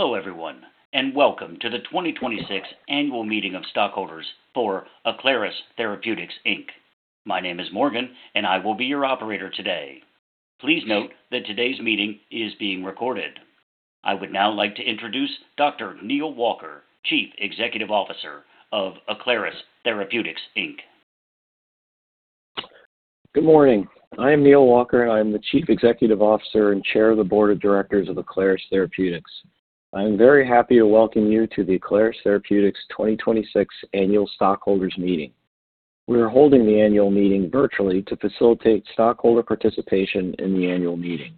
Hello, everyone, and welcome to the 2026 Annual Meeting of Stockholders for Aclaris Therapeutics, Inc. My name is Morgan, and I will be your operator today. Please note that today's meeting is being recorded. I would now like to introduce Dr. Neal Walker, Chief Executive Officer of Aclaris Therapeutics, Inc. Good morning. I am Neal Walker, and I'm the Chief Executive Officer and Chair of the Board of Directors of Aclaris Therapeutics. I'm very happy to welcome you to the Aclaris Therapeutics 2026 Annual Stockholders' Meeting. We are holding the annual meeting virtually to facilitate stockholder participation in the annual meeting.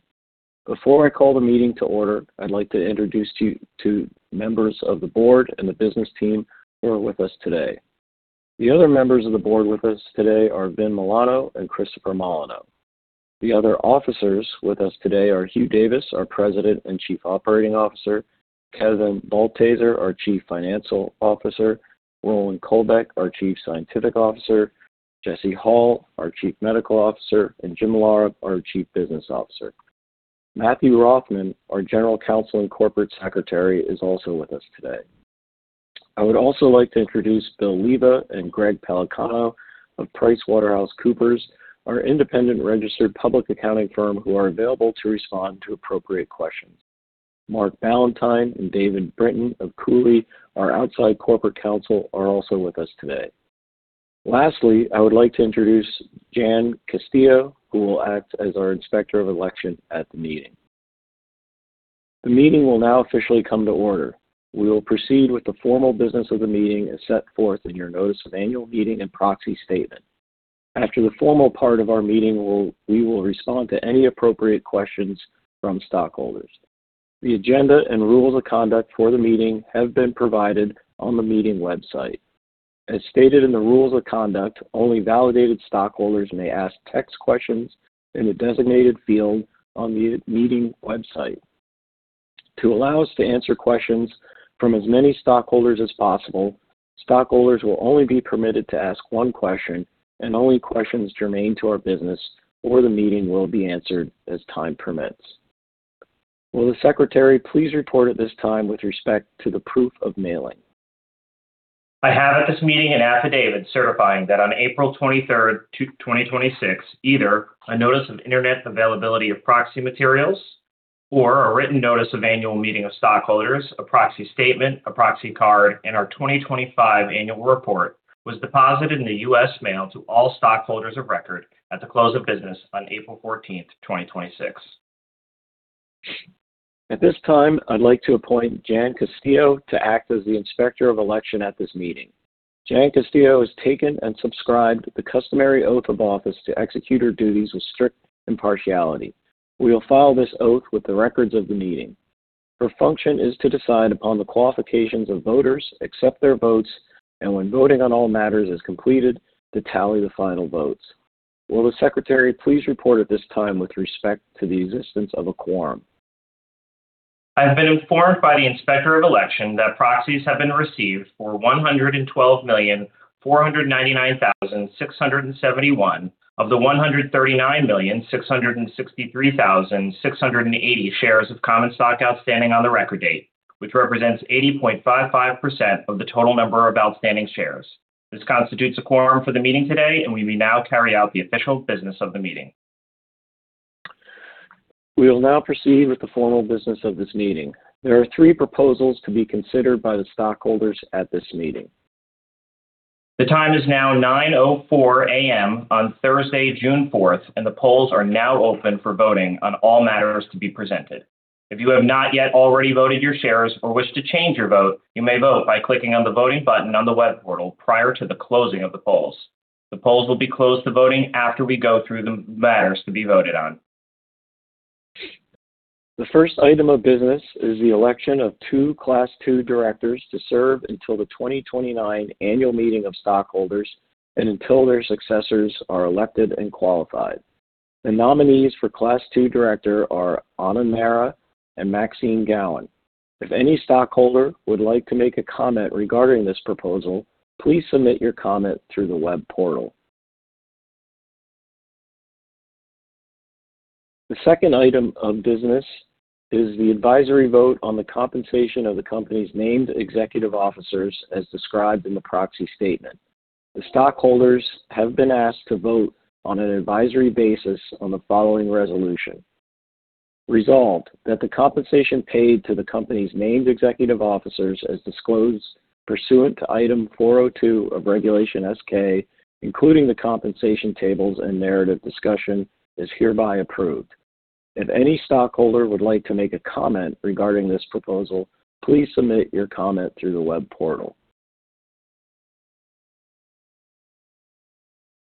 Before I call the meeting to order, I'd like to introduce to you two members of the Board and the business team who are with us today. The other members of the Board with us today are Vin Milano and Chris Molineaux. The other officers with us today are Hugh Davis, our President and Chief Operating Officer, Kevin Balthaser, our Chief Financial Officer, Roland Kolbeck, our Chief Scientific Officer, Jesse Hall, our Chief Medical Officer, and Jim Lara, our Chief Business Officer. Matthew Rothman, our General Counsel and Corporate Secretary, is also with us today. I would also like to introduce Bill Liva and Greg Pellicano of PricewaterhouseCoopers, our independent registered public accounting firm who are available to respond to appropriate questions. Mark Ballantyne and David Brinton of Cooley, our outside Corporate Counsel, are also with us today. Lastly, I would like to introduce Jan Castillo, who will act as our Inspector of Election at the meeting. The meeting will now officially come to order. We will proceed with the formal business of the meeting as set forth in your Notice of Annual Meeting and Proxy Statement. After the formal part of our meeting, we will respond to any appropriate questions from stockholders. The agenda and rules of conduct for the meeting have been provided on the meeting website. As stated in the rules of conduct, only validated stockholders may ask text questions in the designated field on the meeting website. To allow us to answer questions from as many stockholders as possible, stockholders will only be permitted to ask one question, and only questions germane to our business or the meeting will be answered as time permits. Will the Secretary please report at this time with respect to the proof of mailing? I have at this meeting an affidavit certifying that on April 23rd, 2026, either a notice of Internet availability of proxy materials or a written notice of Annual Meeting of Stockholders, a Proxy Statement, a proxy card, and our 2025 Annual Report was deposited in the U.S. Mail to all stockholders of record at the close of business on April 14th, 2026. At this time, I'd like to appoint Jan Castillo to act as the Inspector of Election at this meeting. Jan Castillo has taken and subscribed the customary oath of office to execute her duties with strict impartiality. We will file this oath with the records of the meeting. Her function is to decide upon the qualifications of voters, accept their votes, and when voting on all matters is completed, to tally the final votes. Will the Secretary please report at this time with respect to the existence of a quorum? I've been informed by the Inspector of Election that proxies have been received for 112,499,671 of the 139,663,680 shares of common stock outstanding on the record date, which represents 80.55% of the total number of outstanding shares. This constitutes a quorum for the meeting today, and we may now carry out the official business of the meeting. We will now proceed with the formal business of this meeting. There are three proposals to be considered by the stockholders at this meeting. The time is now 9:04 A.M. on Thursday, June 4th, and the polls are now open for voting on all matters to be presented. If you have not yet already voted your shares or wish to change your vote, you may vote by clicking on the voting button on the web portal prior to the closing of the polls. The polls will be closed to voting after we go through the matters to be voted on. The first item of business is the election of two Class II Directors to serve until the 2029 Annual Meeting of Stockholders and until their successors are elected and qualified. The nominees for Class II Director are Anand Mehra and Maxine Gowen. If any stockholder would like to make a comment regarding this proposal, please submit your comment through the web portal. The second item of business is the advisory vote on the compensation of the company's named executive officers as described in the Proxy Statement. The stockholders have been asked to vote on an advisory basis on the following resolution. Resolved, that the compensation paid to the company's named executive officers as disclosed pursuant to Item 402 of Regulation S-K, including the compensation tables and narrative discussion, is hereby approved. If any stockholder would like to make a comment regarding this proposal, please submit your comment through the web portal.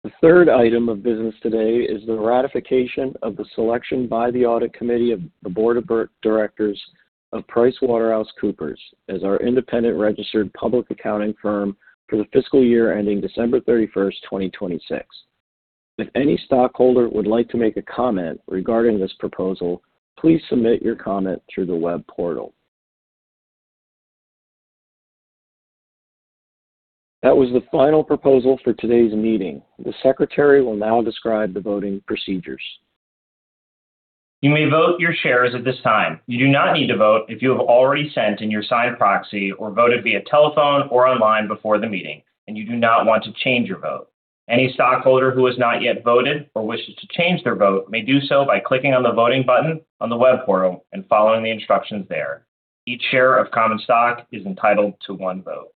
The third item of business today is the ratification of the selection by the Audit Committee of the Board of Directors of PricewaterhouseCoopers as our independent registered public accounting firm for the fiscal year ending December 31st, 2026. If any stockholder would like to make a comment regarding this proposal, please submit your comment through the web portal. That was the final proposal for today's meeting. The Secretary will now describe the voting procedures. You may vote your shares at this time. You do not need to vote if you have already sent in your signed proxy or voted via telephone or online before the meeting, and you do not want to change your vote. Any stockholder who has not yet voted or wishes to change their vote may do so by clicking on the voting button on the web portal and following the instructions there. Each share of common stock is entitled to one vote.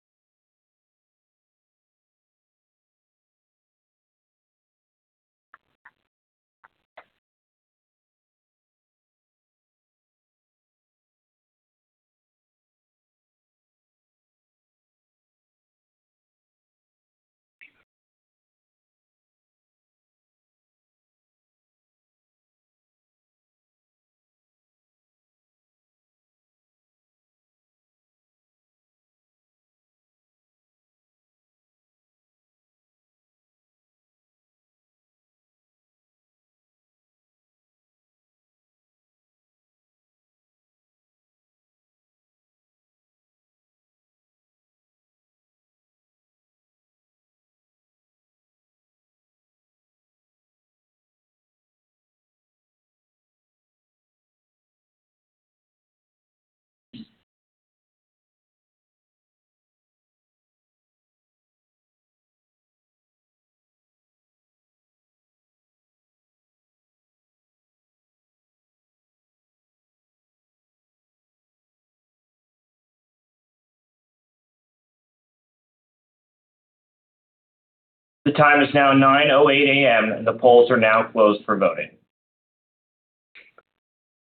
The time is now 9:08 A.M., and the polls are now closed for voting.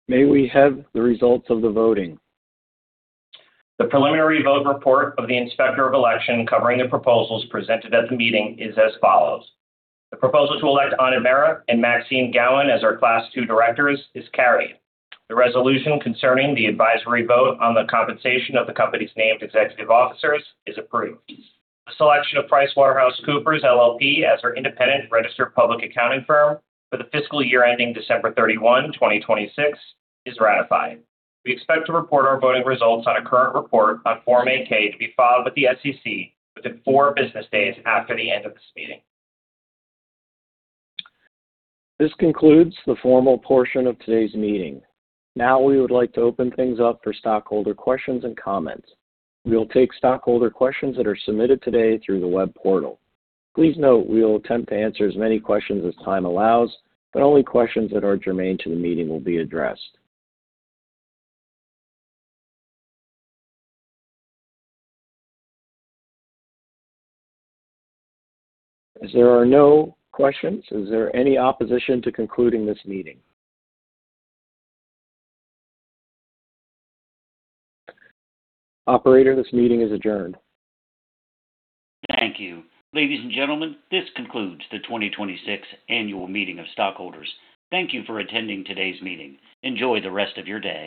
May we have the results of the voting? The preliminary vote report of the Inspector of Election covering the proposals presented at the meeting is as follows. The proposal to elect Anand Mehra and Maxine Gowen as our Class II Directors is carried. The resolution concerning the advisory vote on the compensation of the company's named executive officers is approved. The selection of PricewaterhouseCoopers LLP as our independent registered public accounting firm for the fiscal year ending December 31, 2026, is ratified. We expect to report our voting results on a current report on Form 8-K to be filed with the SEC within four business days after the end of this meeting. This concludes the formal portion of today's meeting. Now we would like to open things up for stockholder questions and comments. We will take stockholder questions that are submitted today through the web portal. Please note we will attempt to answer as many questions as time allows, but only questions that are germane to the meeting will be addressed. As there are no questions, is there any opposition to concluding this meeting? Operator, this meeting is adjourned. Thank you. Ladies and gentlemen, this concludes the 2026 Annual Meeting of Stockholders. Thank you for attending today's meeting. Enjoy the rest of your day.